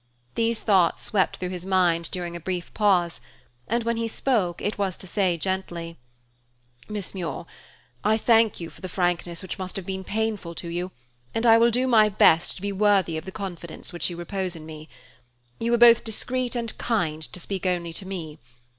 These thoughts swept through his mind during a brief pause, and when he spoke, it was to say gently: "Miss Muir, I thank you for the frankness which must have been painful to you, and I will do my best to be worthy of the confidence which you repose in me. You were both discreet and kind to speak only to me.